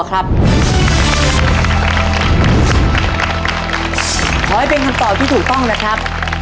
ขอให้เป็นคำตอบที่ถูกต้องนะครับ